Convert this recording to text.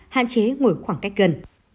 hạn chế ngồi khoảng cách gần